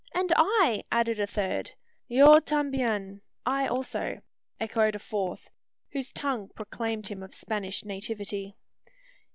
"And I!" added a third. "Io tambien!" (I also) echoed a fourth, whose tongue proclaimed him of Spanish nativity.